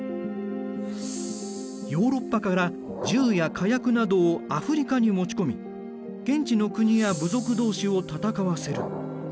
ヨーロッパから銃や火薬などをアフリカに持ち込み現地の国や部族同士を戦わせる。